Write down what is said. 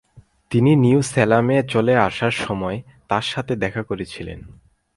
তিনি নিউ স্যালামে চলে আসার সময় তাঁর সাথে দেখা করেছিলেন।